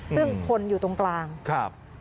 ซึ่งคนอยู่ตรงกลางครับ